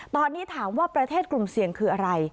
ตอนนี้ถามว่าประเทศกลุ่มเสี่ยงคืออะไร